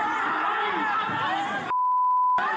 เห็นครับ